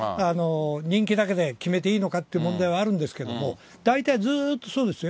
人気だけで決めていいのかという問題はあるんですけども、大体ずーっとそうですよ。